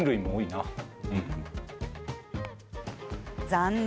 残念。